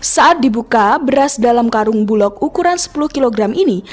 saat dibuka beras dalam karung bulog ukuran sepuluh kg ini